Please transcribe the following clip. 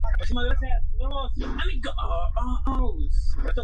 Exploró estilos como el dancehall, lovers rock y el roots reggae.